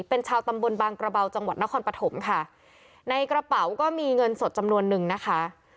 เป็นชาวตำบลบางกระเบาจังหวัดนครปฐมค่ะในกระเป๋าก็มีเงินสดจำนวนนึงนะคะ